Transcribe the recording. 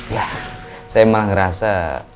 ya saya malah ngerasa